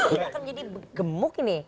ini akan menjadi gemuk ini